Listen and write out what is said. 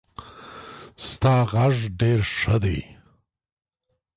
ستا غږ ډېر ښه دی.